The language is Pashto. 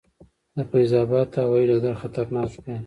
د فیض اباد هوايي ډګر خطرناک دی؟